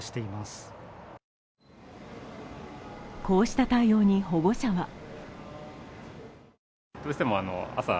こうした対応に保護者は